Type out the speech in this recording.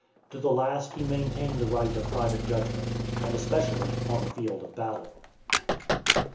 To the last he maintained the right of private judgment, and especially on the field of battle.